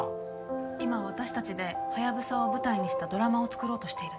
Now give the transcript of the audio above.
今私たちでハヤブサを舞台にしたドラマを作ろうとしているんです。